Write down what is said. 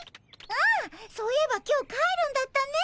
ああそういえば今日帰るんだったね。